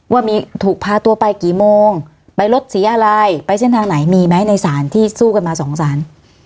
ว่ามีถูกพาตัวไปกี่โมงไปรถสีอะไรไปเส้นทางไหนมีไหมในสารที่สู้กันมาสองสาร